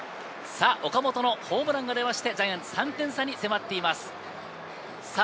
岡本のホームランが出て、ジャイアンツ３点差に迫っています。